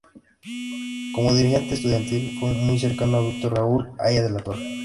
Como dirigente estudiantil fue muy cercano a Víctor Raúl Haya de la Torre.